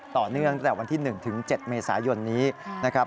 ต่อเนื่องสัตว์วันที่๑๗เมษายนนี้นะครับ